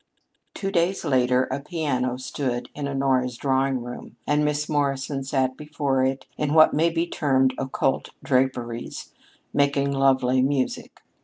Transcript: Two days later a piano stood in Honora's drawing room, and Miss Morrison sat before it in what may be termed occult draperies, making lovely music.